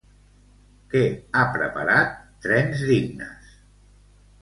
Què ha preparat Trens Dignes?